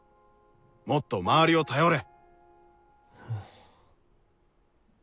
もっと周りを頼れ！